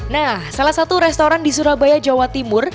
nah salah satu restoran di surabaya jawa timur